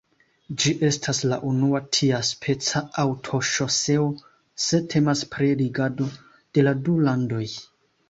Ĝi estas la unua tiaspeca aŭtoŝoseo se temas pri ligado de la du landoj.